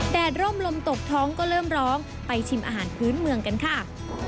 แดดร่มลมตกท้องก็เริ่มร้องไปชิมอาหารพื้นเมืองกันค่ะ